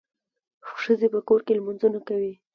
ښځي په کور کي لمونځونه کوي.